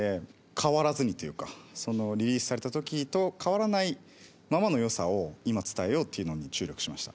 変わらずにというかリリースされた時と変わらないままのよさを今伝えようっていうのに注力しました。